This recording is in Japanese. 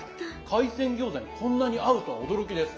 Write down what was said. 海鮮餃子にこんなに合うとは驚きです。